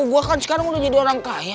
gue kan sekarang udah jadi orang kaya